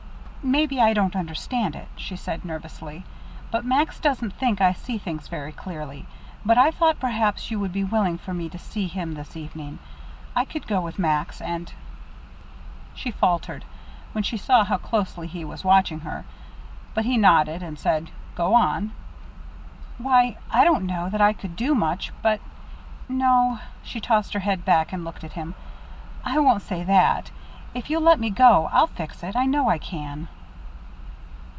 "Maybe I don't understand it." she said nervously. "Max doesn't think I see things very clearly. But I thought perhaps you would be willing for me to see him this evening. I could go with Max, and " She faltered, when she saw how closely he was watching her, but he nodded, and said, "Go on." "Why, I don't know that I could do much, but no" she tossed her head back and looked at him "I won't say that. If you'll let me go, I'll fix it. I know I can."